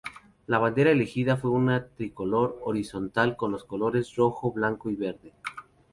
La bandera elegida fue una tricolor horizontal con los colores rojo, blanco y verde.